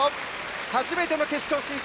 初めての決勝進出！